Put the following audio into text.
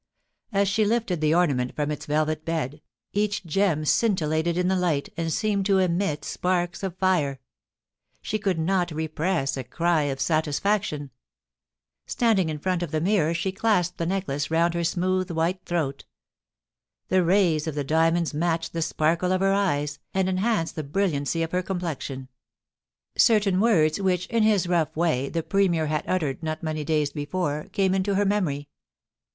As she lifted the ornament from its velvet bed, each gem scin tillated in the light, and seemed to emit sparks of fire. She could not repress a cry of satisfaction. THE DIAMONDS. 289 Standing in front of the minor, she clasped the necklace round her smooth white throat The rays of the diamonds matched the sparkle of her eyes, and enhanced the brilliancy of her complexioa Certain words which, in his rough way, the Premier had uttered not many days before, came into her memory.